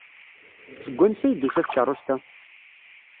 Seg wansi ay d-tusa tkeṛṛust-a?